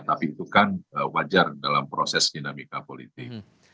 tapi itu kan wajar dalam proses dinamika politik